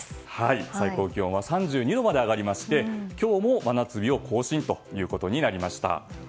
最高気温は３２度まで上がりまして今日も真夏日を更新ということになりました。